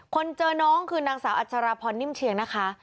เจอน้องคือนางสาวอัชราพรนิ่มเชียงนะคะ